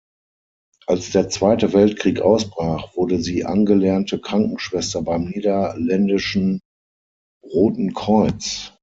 Als der Zweite Weltkrieg ausbrach, wurde sie angelernte Krankenschwester beim Niederländischen Roten Kreuz.